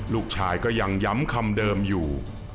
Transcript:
ลูกชายก็ยังย้ำคำเดิมอยู่